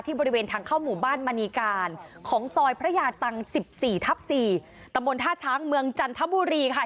บริเวณทางเข้าหมู่บ้านมณีการของซอยพระยาตัง๑๔ทับ๔ตะบนท่าช้างเมืองจันทบุรีค่ะ